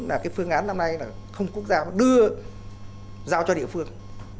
là cái phương án năm nay là không quốc gia mà đưa giao cho địa phương